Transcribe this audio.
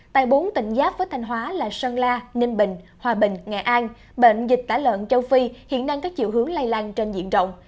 tại bốn tỉnh giáp với thanh hóa là sơn la ninh bình hòa bình nghệ an bệnh dịch tả lợn châu phi hiện đang có chiều hướng lây lan trên diện rộng